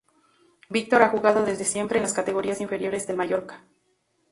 Víctor ha jugado desde siempre en las categorías inferiores del Mallorca.